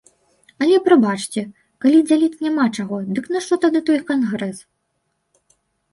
Але, прабачце, калі дзяліць няма чаго, дык нашто тады той кангрэс?